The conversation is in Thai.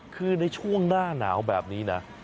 คือในช่วงหน้าหนาวแบบนี้นะ